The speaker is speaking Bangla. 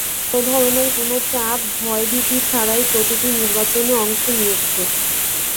তারা বড় ধরনের কোনো চাপ, ভয়ভীতি ছাড়াই প্রতিটি নির্বাচনে অংশ নিয়েছে।